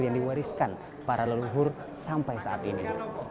yang diwariskan para leluhur sampai saat ini